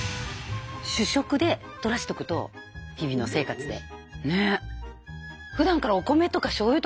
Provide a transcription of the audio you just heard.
主食でとらすってこと日々の生活で。